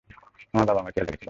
আমার বাবা আমার খেয়াল রেখেছিল।